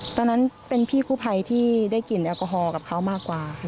ตอนนั้นเป็นพี่กู้ภัยที่ได้กลิ่นแอลกอฮอล์กับเขามากกว่า